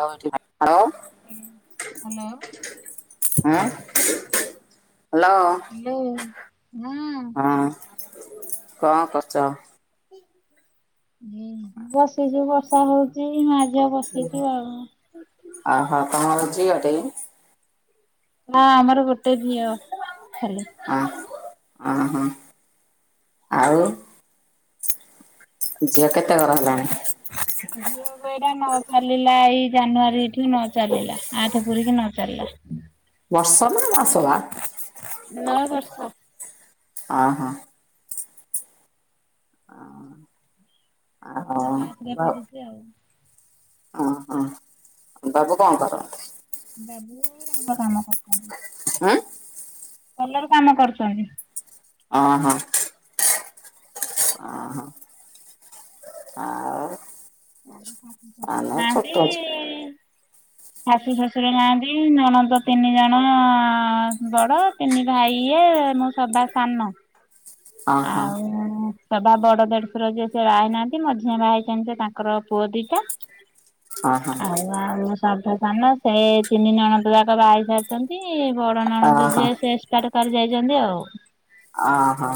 ଆଉ ଏଠି ହାଲୋ। ଏ ହାଲୋ। ହଁ ହାଲୋ। ହାଲୋ ହଁ। କଅଁ କର୍ଚ? ହୁଁ ବସିିଚି ବର୍ଷା ହଉଚି ମା ଝିଅ ବସି ଆ ହା ତମର ଝିଅଟେ କି? ନା ଆମର ଗୋଟେ ଝିଅ ଖାଲି। ଆ୍ ଆଁ ହଁ। ଆଉ। ଝିଅ କେତେ ଗର ହେଲାଣି? ଝିଅକୁ ଏଇଟା ନ ଚାଲିଲା ଏଇ ଜାନୁଆରୀ ଠୁ ନ ଚାଲିଲା ଆ ଠ ପୁରିକି ନ ଚାଲିଲା। ବର୍ଷ ନା ମାସ ବା? ନଅ ବର୍ଷ। ଅ -ହଁ। ଆ ହୁଁ କ୍ଲାସରେ ନ ପଢୁଛି ଆଉ ଓ ହୋ ବାବୁ କଣ କରନ୍ତି? ବାବୁ ରଙ୍ଗ କାମ କରୁଚନ୍ତି। ଉଁ-। କଲର୍ କାମ କରୁଚନ୍ତି। ଅ ହୋ। ଅ ହୋ ଆଉ ଆଉ ଶାଶୁ ଶଶୁର ଆମେ ଛୋଟ ଅଛୁ ନାହାନ୍ତି। ଶାଶୁ ଶଶୁର ନାହାନ୍ତି ନଣନ୍ଦ ତିନି ଜଣ ବଡ। ତିନି ଭାଇ ଇଏ ମୁଁ ସବା ସାନ ଓହୋ ଆଉ ସଭା ବଡ ଦେଢୁସୁର ଯିଏ ସେ ବା ହେଇନାହାନ୍ତି ମଝିଆ ବା ହେଇଚନ୍ତି ତାଙ୍କର ପୁଅ ଦିଟା ଅ ହ। ଆଉ -ଆଉ ମୁଁ ସଭା ସାନ ସେ ତିନି ନଣନ୍ଦ ଯାକ ବା ହେଇସା ସନ୍ତି ବଡ ନଣନ୍ଦ ଓହୋ ଯିଏ ସେ ଏକ୍ସପାଟ କରି ଯାଇଚନ୍ତି ଆଉ। ଅ ହ।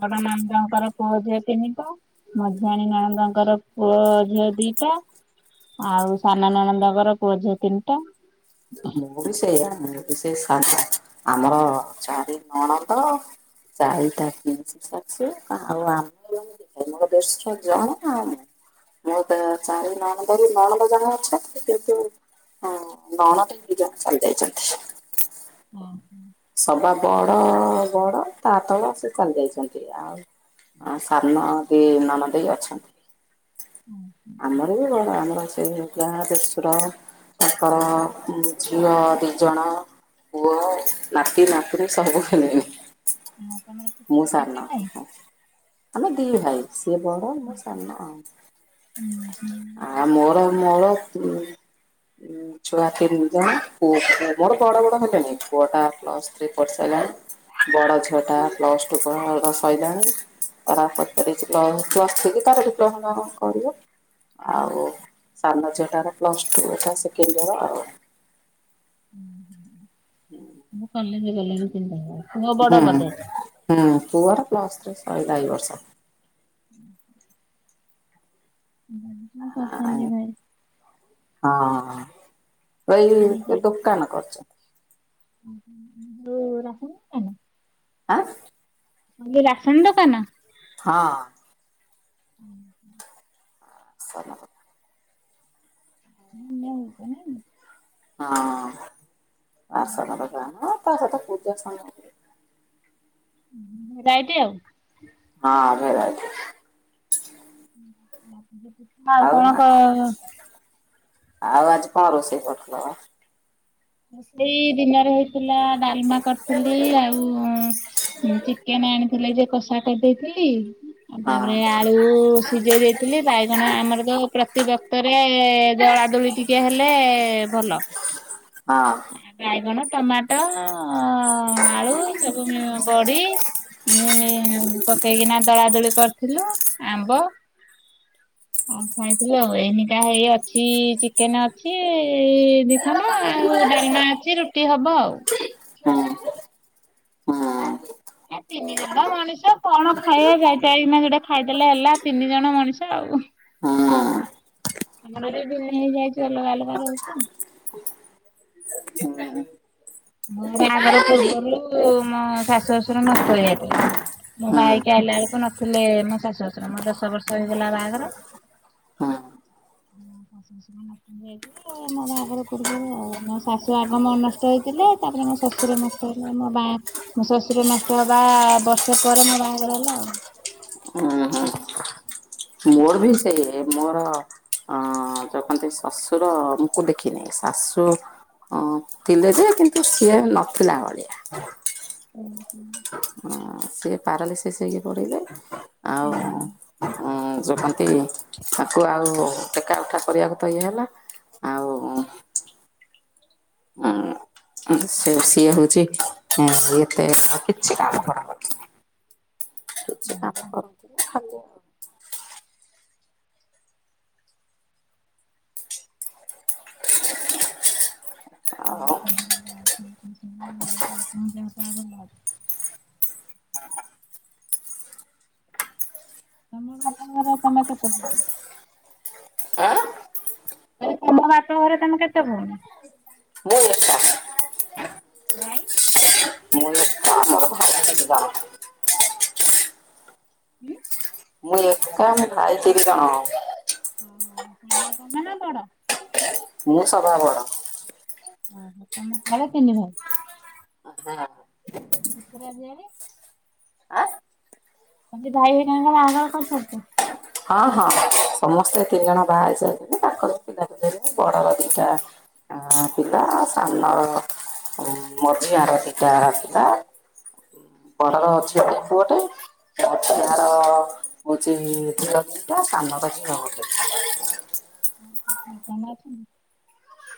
ବଡ ମା ଙ୍କର ପୁଅ ଝିଅ ତିନି ଟା। ମଝିଆଣୀ ନଣନ୍ଦଙ୍କର ପୁଅ ଝିଅ ଦିଟା। ଆଉ ସାନ ନଣନ୍ଦଙ୍କର ପୁଅ ଝିଅ ତିନ୍ ଟା। ମୁଁ ବି ସେଇଆ ମୁଁ ବି ସେଇ ସାନ ଆମର ଚାରି ନଣନ୍ଦ ଚାରିଟା ପିଇଶି ଶାଶୁ ଆଉ ଆମେ ଆମର ଦେଡ୍ ଶୁର ଜଣେ ଆଉ। ମୁଁ ତ ଚାରି ନଣନ୍ଦରୁ ନଣନ୍ଦ ଜଣେ ଅଛନ୍ତି କିନ୍ତୁ ନଣଦେ ଦି ଜଣ ଚାଲି ଯାଇଚନ୍ତି। ଓ ହ। ସଭା ବଡ- ବଡ ତା ତଳ ସେ ଚାଲି ଯାଇଚନ୍ତି ଆଉ ଅ- ସାନ ଦି ନଣଦେଇ ଅଛନ୍ତି। ଆମର ବି ବଡ ଆମର ସେ ଜା ଦେଢ଼ ସୁର ତାଙ୍କର ଝିଅ ଦିଜଣ। ପୁଅ ନାତି ନାତୁଣୀ ସବୁ ହେଲେଣି। ଆଉ ତମର ମୁଁ କେତେ ସାନ ଭାଇ? ଆମେ ଦି ଭାଇ ସିଏ ବଡ ମୁଁ ସାନ ଆଉ। ହୁଁ ହୁଁ। ଆ ମୋର- ମୋର ଉଁ- ଉଁ। ଛୁଆ ତିନି ଜଣ ପୁ- ମୋର ବଡ ବଡ ହେଲେଣି ପୁଅ ଟା ପ୍ଲସ ଥ୍ରୀ ପଢ଼ି ସାରିଲାଣି ବଡ ଝିଅ ଟା ପ୍ଲସ୍ ଟୁ ପଢ଼ା ସଇଲାଣି। ତାର ପଚାରିକି ତାର ପ୍ଲସ୍ ଥ୍ରୀ କି ତାର ଡିପ୍ଲୋମା ଫିପ୍ଲୋମା କଣ କରିବ। ଆଉ ସାନ ଝିଅଟାର ପ୍ଲସ ଟୁ ଏଟା ସେକେଣ୍ଡୟିର ଆଉ। ହୁଁ। ସବୁ କଲେଜେ ଗଲେଣି ତିନି ଟା ଯାକ। ପୁଅ ବଡ ହୁଁ- ବୋଧେ? ହୁଁ ପୁଅର ପ୍ଲସ୍ ଥ୍ରୀ ସଇଲା ଏଇ ବର୍ଷ। କଣ୍ କରୁଚନ୍ତି ଭାଇ? ହଁ ଏଇ ଦୋକାନ କରିଚନ୍ତି। [inaudible] ଯଉ ରାସନ ଦୋକାନ? ଆଁ। କହିଲି ରାସନ୍ ଦୋକାନ? ହଁ। ଅ ହଁ। [unintelligible] [unintelligible] ହଁ ଆସନ ପାଖେ ଆଣ ତା ସହିତ ପୂଜା ସାମ ଉଁ ଭେରାଇଟି ଆଉ? ହଁ ଭେରାଇଟି। [unintelligible] ଆଉ କଣ କଅ ଆଉ ଆଜି କଣ ରୋଷେଇ କରିଥିଲ ବା? ରୋଷେଇ ଦିନରେ ହୋଇଥିଲା ଡ଼ାଲମା କରିଥିଲି ଆଉ ଚିକେନ ଆଣି ଥିଲେ ଯେ କଷା କରିଦେଇଥିଲି ଆଉ ହଁ ତାପରେ ଆ ଆଳୁ ସିଜେଇ ଦେଇଥିଲି ବାଇଗଣ ଆମର ତ ପ୍ରତିିବକ୍ତରେ ଦଳା ଦୁଳି ଟି ଟିକେ ହେଲେ ଭଲ। ହଁ। ବାଇଗଣ ଟମାଟ ଆଳୁ ସବୁ ବଡି ଇମି ପକେଇକିନା ଦଳାଦୁଳି କ ଥିଲୁ ଆମ୍ବ [inaudible] ଆଉ ଖାଇଥିଲୁ ଆଉ ଏଇନିକା ହେଇ ଅଛି ଚିକେନ ଅଛି ଦି ଖଣ୍ଡ ଆ ଆଉ ଡାଲମା ଅଛି ରୁଟି ହବ ଆଉ। ହଁ। ଆ ତିନି ଜଣ ମଣିଷ କଣ ହୁଁ। ଖାଇବା ଯାଇତାଇ କିନା ଯୋଡେ ଖାଇଦେଲେ ହେଲା ତିନି ଜଣ ମଣିଷ ଆଉ। ହଁ। ଆମର ଏଠି ଭିନେ ହେଇ ଯାଇଚୁ ଅଲଗା ଅଲଗା ରହୁଛୁ ଆଉ। ମୋ ବାହାଘର ହୁଁ। ପୂର୍ବରୁ ମୋ ଶାଶୁ ଶଶୁର ନଷ୍ଟ ହେଇଯାଇ ଥିଲେ। ମୁଁ ବାହା ହୁଁ ହେଇକି ଆଇଲା ବେଳକୁ ନଥିଲେ ମୋ ଶାଶୁ ଶଶୁର ମୋ ଦଶ ବର୍ଷ ହେଇଗଲା ବାହାଘର। ହଁ। ମୋ ଶାଶୁ ଶଶୁର ନ ଥିଲେ। ଯାଇଥିଲେ ମୋ ବାହାଘର ପୂର୍ବରୁ ଆଉ ମୋ ଶାଶୁ ଆଗ ମ ନଷ୍ଟ ହେଇଥିଲେ। ତାପରେ ମୋ ଶଶୁର ନଷ୍ଟ ହେଲେ ମୋ ବା ମୋ ଶଶୁର ନଷ୍ଟ ହେବା ବର୍ଷେ ପରେ ମୋ ବାହାଘର ହେଲା ଆଉ। ହୁଁ ହୁଁ। ମୋର ବି ସେଇଏ ମୋର ଅ ଯୋଉ କନ୍ତି ଶ୍ୱଶୁର ଙ୍କୁ ଦେଖିନି ଶାଶୁ ‌ ହଁ ଥିଲେ ଯେ କିନ୍ତୁ ସିଏ ନଥିଲା ଭଳିଆ। ଓ ହୋ। ଅଁ ସିଏ ପାରା ଲିସିସି ହେଇକି ପଡ଼ିଲେ ତ। ଉଁ ହୁଁ। ଉଁ ଯଉ କନ୍ତି ତାକୁ ଆଉ ଟେକା ଉଠା କରିବାକୁ ତ ଇଏ ହେଲା। ଆଉ [unintelligible] ସେ ସିଏ ହଉଛି ଏତେ ଆଉ କିଛି କାମ କର ହୁଁ। କରନ୍ତିନି ଖାଲି ଆଉ। [unintelligible] ଆଉ ମତେ ଆଗ ମ ତମ ବାପା ଙ୍କର ତମେ କେତେ ଭଉଣୀ? ଆଁ ଏ ତମ ବାପ ଘରେ ତମେ କେତେ ଭଉଣୀ? ମୁଁ ଏକା। ଭାଇ? ମୁଁ ଏକା ମୋ ଭାଇ ଅଛନ୍ତି ଦି ଜଣ। ଉଁ। କେ ଆମେ ଭାଇ ତିରି ଜଣ। ଓ ସାନ ନା ବଡ। ମୁଁ ସଭା ବଡ। ଓ ହ ତମ ତଳେ ତିନି ଭାଇ। [unintelligible] ତମେ ସେ ଭାଇହରୀଙ୍କର ବାହାଘର କରି ସାରିଛ। ହଁ ହଁ ସମସ୍ତେ ତିନି ଜଣ ବାହା ହେଇ ସାରିଥିଲେ ତାଙ୍କର ପିଲା ପିଲି ହେଲେଣି ବଡର ଦିଟା ଆ ପିଲା ସାନର ଓ ମୋଝିଆର ଦିଟା ପିଲା। ବଡ଼ର ଝିଅଟେ ପୁଅଟେ ମଝିଆ ର ହଉଚି ଝିଅ ଦିଟା ସାନର ଝିଅ ଗୋଟେ। [unintelligible]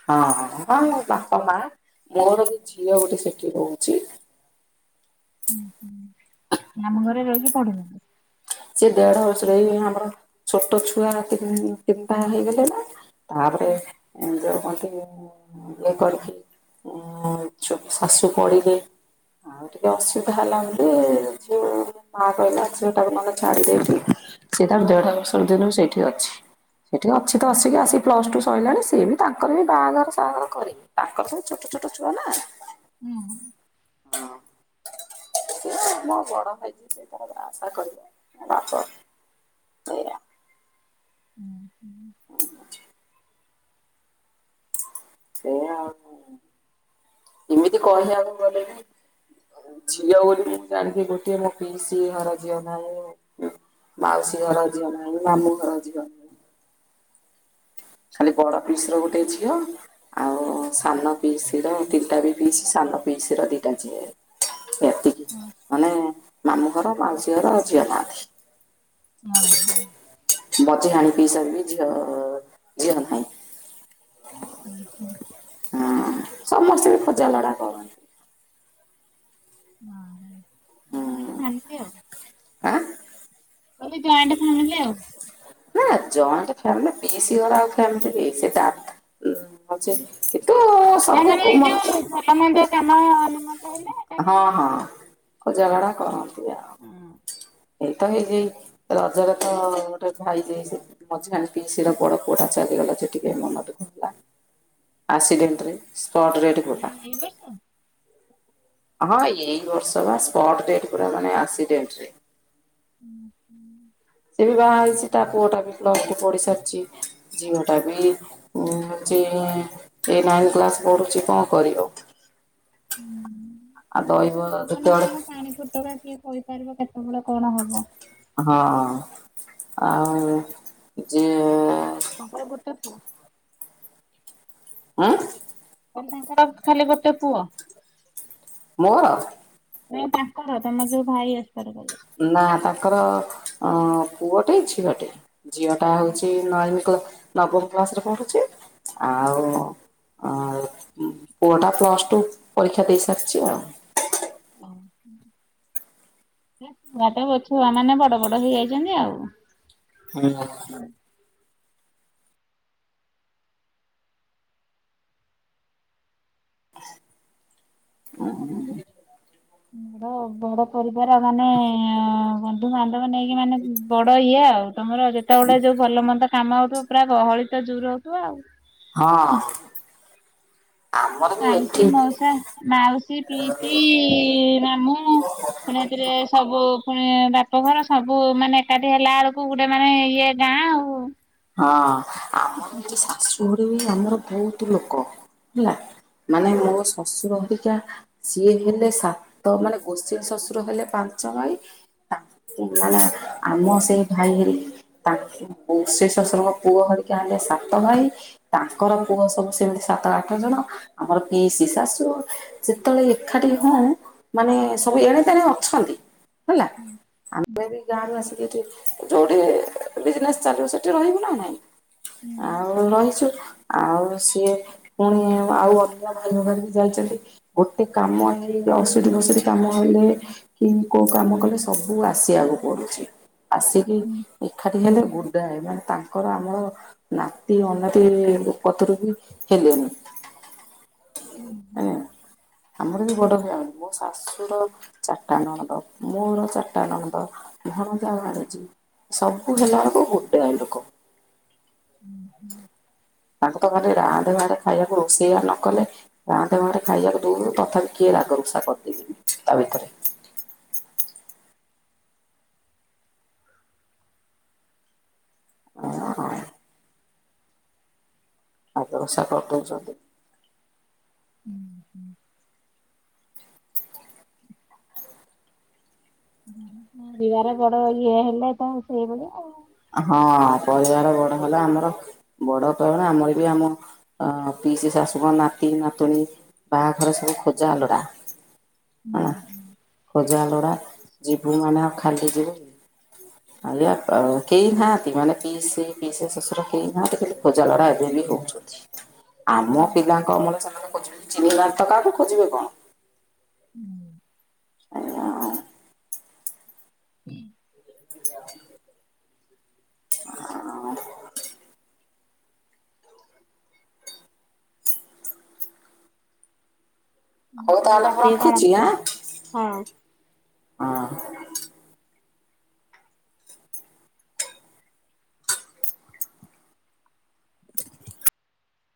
ହଁ ହଁ ମୋ ବାପା ମା ମୋର ବି ଝିଅ ଗୋଟେ ସେଠି ରହୁଛି। ହଁ ହଁ ମାମୁଁ ଘରେ ରହିକି ପଡୁଚନ୍ତି। ସେ ଦେଢ ବର୍ଷର ଏଇ ଆମର ଛୋଟ ଛୁଆ ତିନ୍ ତିନିଟା ହେଇଗଲେ ନା ତାପରେ ଯୋଉ କଣ ତି ଇଏ କରିକି ଉ ଛୋ ଶାଶୁ ପଡିଲେ ଆଉ ଟିକେ ଅସୁବିଧା ହେଲା ବୋଲି ଯଉ ମା କହିଲା ଝିଅ ଟାକୁ ନହେଲେ ଛାଡ଼ିଦେ ଏଇଠି ସିଏ ତାର ଦେଢ ବର୍ଷ ଦିନରୁ ସେଇଠି ଅଛି। ସେଠି ଅଛି ତ ହୁଁ ଆସିକି ଆସିକି ପ୍ଲସ ଟୁ ସଇଲାଣି ସିଏ ବି ତାଙ୍କର ବି ବାହାଘର ସାହାଘର କରିବେ। ତାଙ୍କର ସବୁ ଛୋଟ ଛୋଟ ଛୁଆ ନା ହୁଁ। ହଁ ଏଇଆ ମୋ ବଡ ଭାଇ ଯିଏ ସେ ତାର ବା ଶା କରିବ ମୋ ବାପ ହୁଁ ହଁ। ହୁଁ। ସେଇଆ ଆଉ ଏମିତି କହିିବାକୁ ଗଲେ ବି ଝିଅ ବୋଲି ମୁ ଜାଣିଛି ଗୋଟିଏ ମୋ ପିଇସୀ ଘର ଝିଅ ନାହିଁ। ମାଉସୀ ଘର ଝିଅ ନାହିଁ ମାମୁଁ ଘର ଝିଅ ନାହିଁ। ଖାଲି ବଡ ପିଇସି ର ଗୋଟେ ଝିଅ। ଆଉ ସାନ ପିସିର ତିନିଟା ବି ପିସ୍ ସାନ ପିସିର ଦିଇଟା ଝିଅ। ଏତିକି ମାନେ ମାମୁଁ ଘର ମାଉଁସୀ ଘର ଝିଅ ନାହାଁନ୍ତି। ଓହ। ବାକି ସାନ ପିଇସାର ବି ଝିଅ ଝିଅ ନାହିଁ। ହଁ। ହୁଁ ହୁଁ। ହଁ ସମସ୍ତେ ବି ଖୋଜା ଲୋଡା କରନ୍ତି। ହଁ। ଜଏଣ୍ଟ ହୁଁ ଫେମିଲି ଆଉ ମୁଁ ଆଁ କହିଲି ଜଏଣ୍ଟ ଫେମିଲି ଆଉ। ଆ ଜଏଣ୍ଟ ଫ୍ୟାମିଲ ଆଉ ପିଉସୀ ଘର ଫ୍ୟାମିଲି କି ସେଟା। ହଁଛ କିନ୍ତୁ ନା ସବୁ ମାନେ ଉ ଏଇ ମ [unintelligible] ଏକାଠି ହଁ ସବୁ ହଁ ଆଉ। ଖୋଜାଲୋଡା କରନ୍ତି ଆଉ। ହଁ ଏଇତ ହେଇ ଯେଇ ରଜରେ ତ ଗୋଟେ ଭାଇ ଯେ ସେ ମଝିଆ ପିଉସୀ ର ବଡ ପୁଅ ଟା ଚାଲିଗଲା ସେ ଟିକେ ମନ ଦୁଃଖ ହେଲା। ଆକ୍ସିଡେଣ୍ଟ୍ରରେ ସ୍ପଟ୍ ଡେଡ୍ କଲା। ଏଇ ଏଇ ବର୍ଷ? ହଁ ଏଇ ବର୍ଷ ବା ସ୍ପଟ୍ ଡେଡ୍ ପୁରା ମାନେ ଏସିଡେଣ୍ଟରେ। ହୁଁ ହୁ। ସେ ବି ବାହା ହେଇଛି ତା ପୁଅ ଟା ବି ପ୍ଲସ ଟୁ ପଢି ସାରିଛି ଝିଅ ଟା ବି ଉଁ ହୋଉଚି ଏ ନାଇନ୍ କ୍ଲାସ୍ ପଢୁଛି କଣ କରିବ। ହୁଁ। ଆଉ ଦୋଇବ କେତେବେଳେ? କେତବେଳେ କିଏ କହିପାରିବ କେତେବେଳେ କଣ ହବ। ହଁ ଆଉ-ଉ-ଉ-ଉ ଯିଏ-ଏ-ଏ ତାଙ୍କର ଗୋଟେ ପୁଅ। ଆଁ। [unintelligible] ଖାଲି ଗୋଟେ ପୁଅ। ମୋର? ନାଇ ତାଙ୍କର ତମର ଯୋଉ ଭାଇ ଏକ୍ସପାରି କଲେ। ନା ତାଙ୍କର-ଅ-ଅ-ଅ ଅ ପୁଅଟେ ଝିଅଟେ। ଝିଅ ଟା ହଉଛି ନାଇନ୍ କ ନବମ କ୍ଳାସ ରେ ପଢୁଛି ଆଉ-ଉ-ଉ-ଉ ଆ-ଆ-ଆ ଉ ପୁଅଟା ପ୍ଲସ୍ ଟୁ ପରୀକ୍ଷା ଦେଇସାରିଛି ଆଉ। [unintelligible] ଛୁଆ ମାନେ ବଡ ବଡ ହେଇଯାଇଛନ୍ତି ଆଉ। [unintelligible] [unintelligible] ର ବଡ ପରିବାର ମାନେ-ଏ-ଏ-ଏ ବନ୍ଧୁ ବାନ୍ଧବ ନେଇକି ମାନେ ବଡ ଇଏ ଆଉ ତମର ଯେତେବେଳେ ଯୋଉ ଭଲ ମନ୍ଦ କାମ ହଉଥିବ ପୁରା ଗହଳି ତ ଜୋର ହଉଥିବ ଆଉ। ହଁ। ଆମର ବି ମାଉସୀ, ଏଠି ମାଉସା, ମାଉସୀ, ପିଇସି-ଇ-ଇ-ଇ, ମାମୁଁ। ପୁଣି ଏଥିରେ ସବୁ ପୁଣି ବାପଘର ସବୁ ମାନେ ଏକାଠି ହେଲା ଆଳୁ କୋଉଁ ଗୋଟେ ମାନେ ଇଏ ଗାଁ ଆଉ। ହଁ ଆମ [unintelligible] ଶାଶୁ ଘରେ ବି ଆମର ବହୁତୁ ଲୋକ ହେଲା। ମାନେ ହୁଁ ମୋ ଶ୍ୱଶୁର ହେରିକା ସିଏ ହେଲେ ସାତ ମାନେ ଗୋସେଇ ଶୂଶୁର ହେଲେ ପାଞ୍ଚ ଭାଈ। ତାକୁ ମାନେ ଆମ ସେଇ ଭାଇ ହେରି ତାଙ୍କୁ ବ ସେ ଶ୍ୱଶୁରଙ୍କ ପୁଅ ହେରିକା ହେଲେ ସାତ ଭାଇ ତାଙ୍କର ପୁଅ ସବୁ ସେମିତି ସାତ ଆଠ ଜଣ। ଆମର ପିଇସିି ଶାଶୁ ଯେତେବେଳେ ଏକାଠି ହଉ ମାନେ ସବୁ ଏଣେ ତେଣେ ଅଛନ୍ତି। ହେଲା ଆମେ ବି ଗାଁରୁ ଆସିକି ଏଠି ଯୋଉଠି-ଇ-ଇ ବିଜନେସ ଚାଲିବ ସେ ଠି ରହିବୁନା ନା ନାଇଁ ହୁଁ ଆଉ ରହିଛୁ। ଆଉ ସିଏ ପୁଣି ଆଉ ଅଲଗା ଭାଇ ଭଗାରି ଯାଇଛନ୍ତି। ଗୋଟେ କାମ ହେଇ ଅଶଠି ବଷଠି କାମ ହେଲେ-ଏ-ଏ। କି କୋଉ କାମ କଲେ ସବୁ ଆସିବାକୁ ପଡୁଛି। ଆସିକି ହୁଁ ଏକାଠି ହେଲେ ଗୁ୍ଡାଏ ମାନେ ତାଙ୍କର ଆମର ନାତି ଅଣନାତି ପତରୁ ବି ହେଲେଣି। ହୁଁ ଆମର ବି ବଡ ଫ୍ୟାମିଲି ମୋ ଶାଶୁର ଚାରିଟା ନଣନ୍ଦ, ମୋର ଚାରିଟା ନଣନ୍ଦ, ଭଣଜା, ଭାଣିଜି। ସବୁ ହେଲା ବେଳକୁ ଗୋଟେ ହେ ହୁଁ ହୁଁ। ତାଙ୍କୁ ତ ଘରେ ରାନ୍ଧେ ବାଡେ ଖାଇବାକୁ ରୋଷେଇଆ ନ କଲେ ରାନ୍ଧେ ବାଡେ ଖାଇବାକୁ ଦଉ ଦଉ ତଥାପି କିଏ ରାଗ ରଷା କରିଦେଇଥିବେ ତା ଭିତରେ। ଓ ହ। ରାଗ ଋଷା କରିଦଉଛନ୍ତି। ହୁଁ ହୁଁ। ଯିବାର ବଡ ଇଏ ହେଲେ ତ ସେଇଭଳିଆ ଆଉ। ହଁ ପରିବାର ବଡ ହେଲା ଆମର ବଡ କହିବ ମାନେ ଆମର ବି ଆମ ଅ-ଅ ପିଇସି ଶାଶୁଙ୍କ ନାତି ନାତୁଣୀ ବାହାଘରେ ସବୁ ଖୋଜା ଲୋଡ଼ା। ହୁଁ ଆ ଖୋଜା ଲୋଡା ଯିବୁ ମାନେ ଆଉ ଖାଲି ଯିବୁ [unintelligible] କେହି ନାହାନ୍ତି ମାନେ ପିଇ ସେ ପିଇସ ଶ୍ୱଶୁର କେହି ନାହାନ୍ତି କିନ୍ତୁ ଖୋଜା ଲଡା ଏବେ ବି ହଉଛନ୍ତି। ଆମ ପିଲାଙ୍କ ଅମଳ ସେମାନେେ ଖୋଜିବେ ଚିହ୍ନି ନାହାନ୍ତି ତ କାହାକୁ ଖୋଜିବେ କଣ? ଏଇ ୟା ଆଉ। [unintelligible] ହଉ ହୁଁ। ତାହେଲେ ମୁଁ ରାତିରେ କଣ ରଖୁଛି ଖାଇଲେ? ଆଁ? ହଁ